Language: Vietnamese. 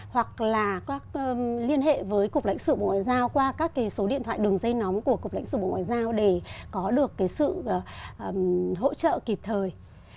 hoặc là liên hệ với cục lãnh sự bộ ngoại giao qua các số điện thoại đường dây nóng của cục lãnh sự bộ ngoại giao để có được sự hỗ trợ kịp thời